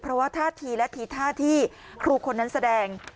เพราะว่าท่าทีและทีท่าที่ครูคนนั้นแสดง